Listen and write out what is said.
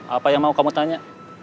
apa yang mau kamu tanya